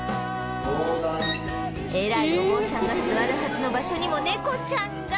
偉いお坊さんが座るはずの場所にも猫ちゃんが